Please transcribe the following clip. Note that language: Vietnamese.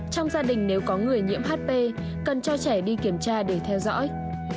trong gia đình nếu có người nhiễm hp cần cho trẻ đi kiểm tra để theo dõi